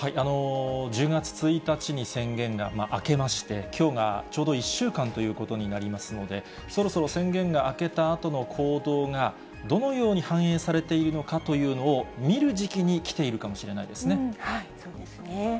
１０月１日に宣言が明けまして、きょうがちょうど１週間ということになりますので、そろそろ宣言が明けたあとの行動が、どのように反映されているのかというのを見る時期に来ているかもそうですね。